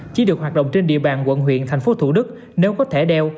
chỉ được hoạt động trên địa bàn quận huyện tp thủ đức nếu có thể đeo